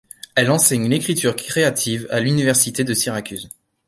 Elle enseigne l’écriture créative à l’Université de Syracuse.